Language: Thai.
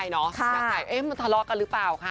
อยากถ่ายเอ๊ะมันทะเลาะกันหรือเปล่าค่ะ